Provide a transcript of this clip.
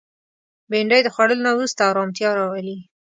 بېنډۍ د خوړلو نه وروسته ارامتیا راولي